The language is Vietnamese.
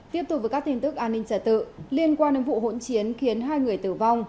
tiếp tục với các tin tức an ninh trả tự liên quan đến vụ hỗn chiến khiến hai người tử vong